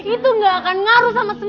itu gak akan ngaruh sama semua